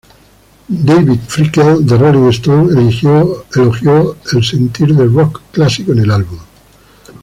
David Fricke de "Rolling Stone" elogió el sentir de "rock" clásico en el álbum.